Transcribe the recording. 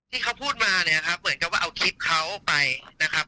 ที่เขาพูดมาเนี่ยครับเหมือนกับว่าเอาคลิปเขาไปนะครับ